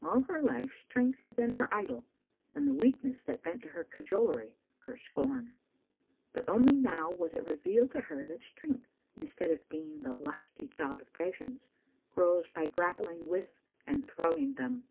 All her life, strength had been her idol, and the weakness that bent to her cajolery her scorn. But only now was it revealed to her that strength, instead of being the lusty child of passions, grows by grappling with and throwing them.